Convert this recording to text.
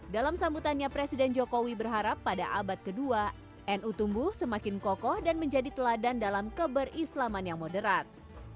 dalam sambutannya presiden jokowi berharap pada abad ke dua nu tumbuh semakin kokoh dan menjadi teladan dalam keberislaman yang moderat